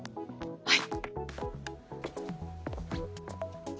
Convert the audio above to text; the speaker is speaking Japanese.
はい。